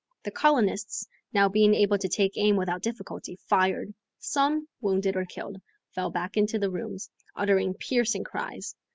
The colonists, now being able to take aim without difficulty, fired. Some, wounded or killed, fell back into the rooms, uttering piercing cries.